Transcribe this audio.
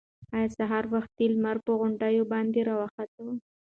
ایا سهار وختي لمر پر غونډیو باندې راوخوت؟